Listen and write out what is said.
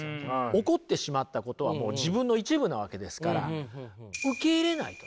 起こってしまったことはもう自分の一部なわけですから受け入れないとね